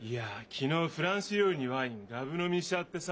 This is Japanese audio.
昨日フランス料理にワインがぶ飲みしちゃってさ。